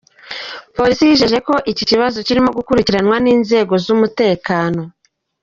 Polisi yijeje ko iki kibazo kikiri gukurikiranwa n’inzego z’umutekano.